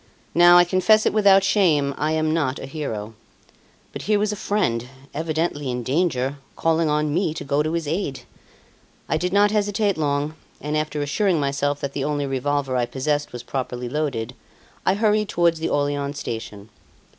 Now, I confess it without shame, I am not a hero. But here was a friend, evidently in danger, calling on me to go to his aid. I did not hesitate long; and after assuring myself that the only revolver I possessed was properly loaded, I hurried towards the Orleans station.